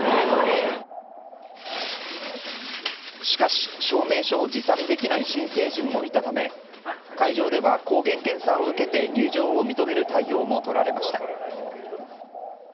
しかし、証明書を持参できない新成人もいたため会場では抗原検査を受けて入場を認める対応も取られました。